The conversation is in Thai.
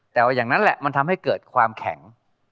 แต่ว่าอย่างนั้นแหละมันทำให้เกิดความแข็ง